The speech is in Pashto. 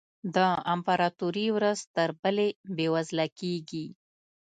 د امپراتوري ورځ تر بلې بېوزله کېږي.